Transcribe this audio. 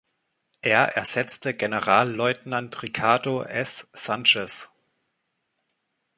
Er ersetzte Generalleutnant Ricardo S. Sanchez.